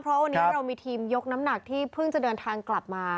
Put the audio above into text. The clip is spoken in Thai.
เพราะวันนี้เรามีทีมยกน้ำหนักที่เพิ่งจะเดินทางกลับมา